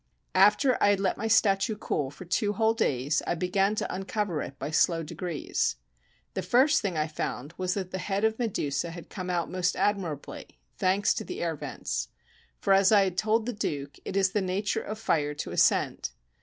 After I had let my statue cool for two whole days, I began to uncover it by slow degrees. The first thing I found was that the head of Medusa had come out most admirably, thanks to the air vents; for as I had told the Duke, it is the nature of fire to ascend.